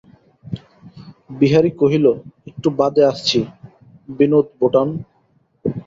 বিহারী কহিল, একটু বাদে আসছি, বিনোদ-বোঠান।